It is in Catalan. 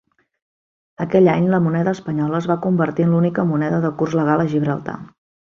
Aquell any, la moneda espanyola es va convertir en l'única moneda de curs legal a Gibraltar.